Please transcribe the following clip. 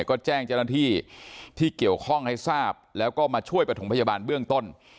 ก็แจ้งเกี่ยวข้องให้ทราบแล้วก็มาช่วยปฐงพจบาลเบื้องต้น